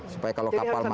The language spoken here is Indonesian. supaya kalau kapal masuk